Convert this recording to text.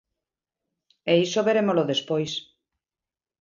E iso verémolo despois.